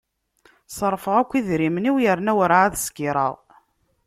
Ṣerrfeɣ akk idrimen-iw yerna ur ɛad skiṛeɣ